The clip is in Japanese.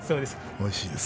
おいしいです。